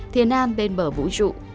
thiên nam bên bờ vũ trụ